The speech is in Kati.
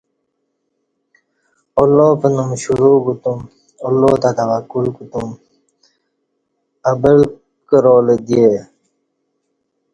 اللہ پنام شروع کوتوم اللہ تہ توکل کوتوم ابل کرالہ دے